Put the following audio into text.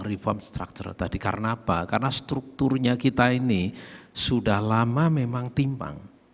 reform structure tadi karena apa karena strukturnya kita ini sudah lama memang timpang